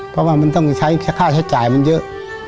เพราะว่ามันต้องใช้ค่าใช้จ่ายมันเยอะ